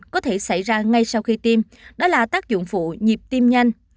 có thể xảy ra ngay sau khi tiêm đó là tác dụng phụ nhịp tim nhanh